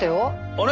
あれ？